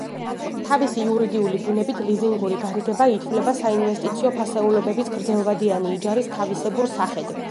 თავისი იურიდიული ბუნებით, ლიზინგური გარიგება ითვლება საინვესტიციო ფასეულობების გრძელვადიანი იჯარის თავისებურ სახედ.